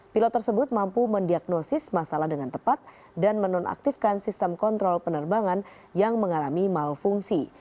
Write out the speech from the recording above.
pilot tersebut mampu mendiagnosis masalah dengan tepat dan menonaktifkan sistem kontrol penerbangan yang mengalami malfungsi